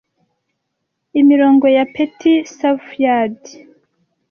imirongo ya petit savoyard